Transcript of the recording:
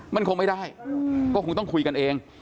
มันคงไม่ได้ก็คงต้องคุยกันเอง